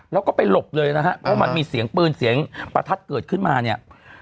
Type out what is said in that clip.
แล้วก็ไปหลบเลยนะฮะเพราะมันมีเสียงปืนเสียงประทัดเกิดขึ้นมาเนี่ย